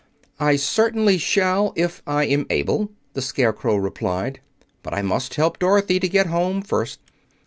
"I certainly shall if I am able," the Scarecrow replied; "but I must help Dorothy to get home, first."